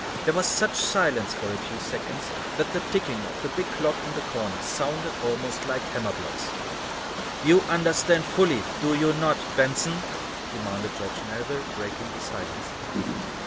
There was such silence, for a few seconds, that the ticking of the big clock in the corner sounded almost like hammer blows. "You understand fully, do you not, Benson?" demanded George Melville, breaking the silence.